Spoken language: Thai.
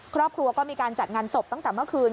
ครอบครัวก็มีการจัดงานศพตั้งแต่เมื่อคืน